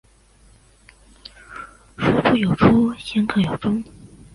靡不有初鲜克有终